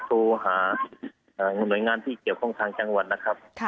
โทรหาหน่วยงานที่เกี่ยวข้องทางจังหวัดนะครับ